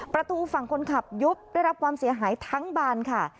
ประตูฝั่งคนขับยุบได้รับความเสียหายทั้งบานค่ะ